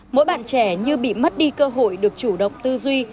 mỗi bạn trẻ như bị mất đi cơ hội được chủ động tư duy